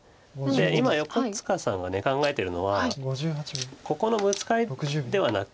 今横塚さんが考えているのはここのブツカリではなく。